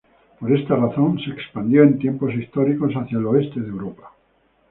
Por esta razón se expandió en tiempos históricos hacia el oeste de Europa.